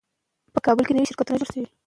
د مثبت سیاست تمرکز د ادارې پرمختګ تضمینوي.